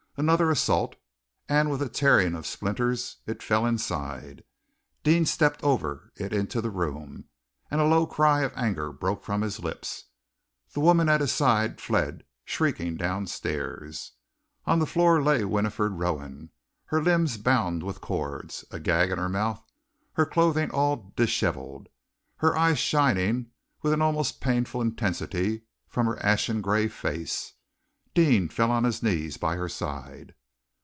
Another assault, and with a tearing of splinters it fell inside. Deane stepped over it into the room, and a low cry of anger broke from his lips. The woman at his side fled shrieking downstairs. On the floor lay Winifred Rowan, her limbs bound with cords, a gag in her mouth, her clothing all dishevelled, her eyes shining with an almost painful intensity from her ashen gray face. Deane fell on his knees by her side.